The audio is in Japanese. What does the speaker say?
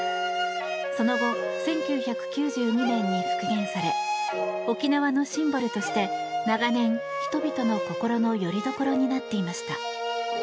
その後、１９９２年に復元され沖縄のシンボルとして長年、人々の心のよりどころになっていました。